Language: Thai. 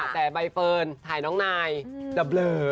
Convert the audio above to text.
แต่ใบเฟิร์นถ่ายน้องนายจะเบลอ